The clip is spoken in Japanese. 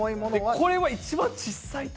これは一番小さいと思う。